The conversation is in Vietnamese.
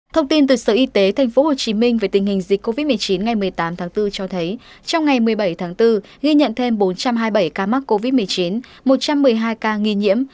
thông tin từ sở y tế tp hcm về tình hình dịch covid một mươi chín ngày một mươi tám tháng bốn cho thấy trong ngày một mươi bảy tháng bốn ghi nhận thêm bốn trăm hai mươi bảy ca mắc covid một mươi chín một trăm một mươi hai ca nghi nhiễm